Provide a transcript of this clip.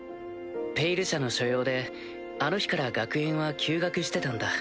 「ペイル社」の所用であの日から学園は休学してたんだ。